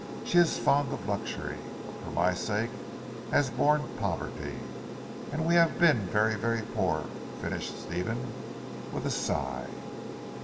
She is fond of luxury, but for my sake has borne poverty. And we have been very, very poor," finished Stephen with a sigh.